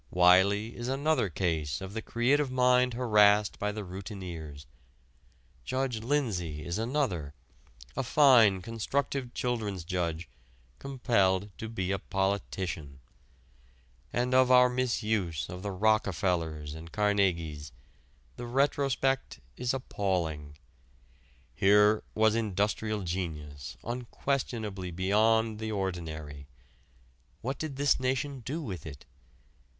Wiley is another case of the creative mind harassed by the routineers. Judge Lindsey is another a fine, constructive children's judge compelled to be a politician. And of our misuse of the Rockefellers and Carnegies the retrospect is appalling. Here was industrial genius unquestionably beyond the ordinary. What did this nation do with it?